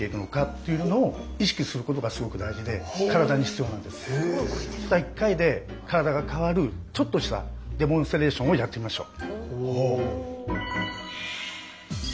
重要なのはたった１回で体が変わるちょっとしたデモンストレーションをやってみましょう。